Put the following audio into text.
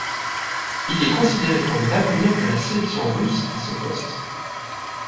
Il est considéré comme l'avenir de la sélection russe à ce poste.